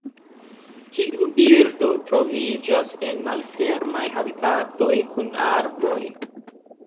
Tiu birdo troviĝas en malfermaj habitatoj kun arboj.